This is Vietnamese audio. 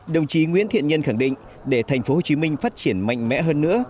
đồng chí nguyễn thiện nhân khẳng định để thành phố hồ chí minh phát triển mạnh mẽ hơn nữa